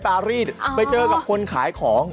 ไปเจอกับคนขายของ